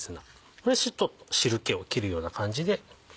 ここで汁気を切るような感じで。